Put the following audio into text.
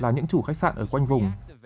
là những chủ khách sạn ở quanh vùng